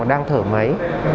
và đang thở máy